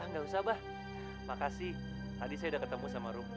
gak usah abah makasih tadi saya udah ketemu sama rum